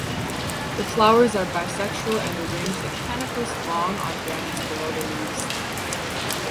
The flowers are bisexual and arranged in panicles long on branches below the leaves.